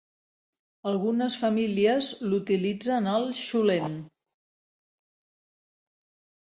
Algunes famílies l'utilitzen al 'cholent'.